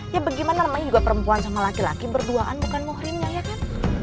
ya bagaimana emang ini juga perempuan sama laki laki berduaan bukan ngohrinnya ya kan